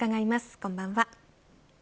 こんばんは。